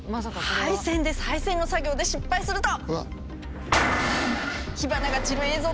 配線の作業で失敗すると。